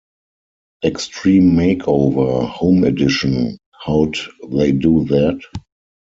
Extreme Makeover: Home Edition: How'd They Do That?